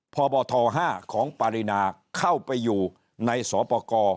พบท๕ของปรินาเข้าไปอยู่ในสปกร